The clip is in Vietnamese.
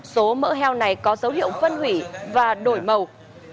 số mỡ heo này có dấu hiệu phân hủy và đổi màu